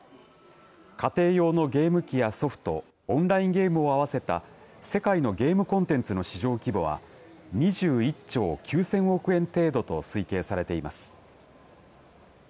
家庭用のゲーム機やソフトオンラインゲームを合わせた世界のゲームコンテンツの市場規模は２１兆９０００億円程度と推計されています。